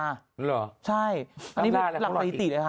นี่เหรอตำราแล้วเขาหล่ออีกใช่อันนี้หลักประดิษฐ์เลยค่ะ